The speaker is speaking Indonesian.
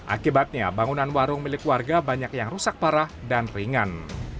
akibatnya bangunan warung milik warga banyak yang rusak parah dan ringan